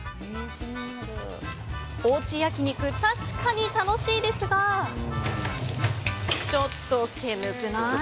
おうち焼き肉確かに楽しいですがちょっと煙くない？